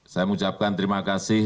saya mengucapkan terima kasih